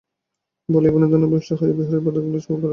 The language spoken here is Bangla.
বলিয়া বিনোদিনী ভূমিষ্ঠ হইয়া বিহারীর পদাঙ্গুলি চুম্বন করিল।